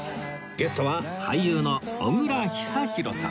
ゲストは俳優の小倉久寛さん